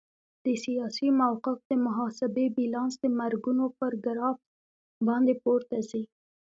د سیاسي موقف د محاسبې بیلانس د مرګونو پر ګراف باندې پورته ځي.